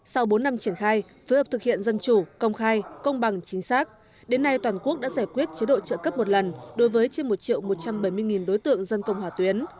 sau bốn năm triển khai phối hợp thực hiện dân chủ công khai công bằng chính xác đến nay toàn quốc đã giải quyết chế độ trợ cấp một lần đối với trên một một trăm bảy mươi đối tượng dân công hỏa tuyến